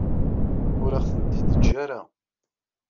Ur aɣ-tent-id-teǧǧa ara.